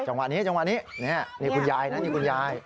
จังหวะนี้นี่คุณยายนะนี่คุณยาย